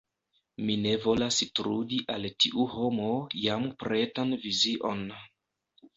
Mi ne volas trudi al tiu homo jam pretan vizion.